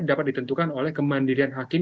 dapat ditentukan oleh kemandirian hakim